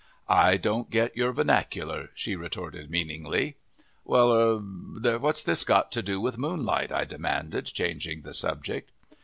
"I don't get your vernacular," she retorted meaningly. "Well er what's this got to do with moonlight?" I demanded, changing the subject.